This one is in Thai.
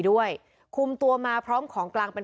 พวกมันต้องกินกันพี่